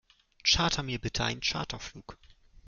Charter mir bitte einen Charterflug.